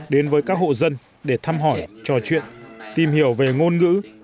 đến với các hộ dân để thăm hỏi trò chuyện tìm hiểu về ngôn ngữ